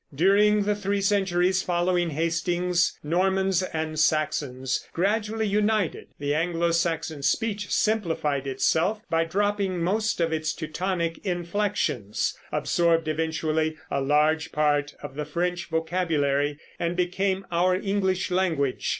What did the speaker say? During the three centuries following Hastings, Normans and Saxons gradually united. The Anglo Saxon speech simplified itself by dropping most of its Teutonic inflections, absorbed eventually a large part of the French vocabulary, and became our English language.